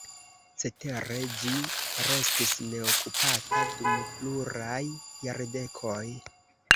Cetere ĝi restis neokupata dum pluraj jardekoj.